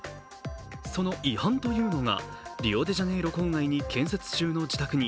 その違反というのがリオデジャネイロ郊外に建設中の自宅に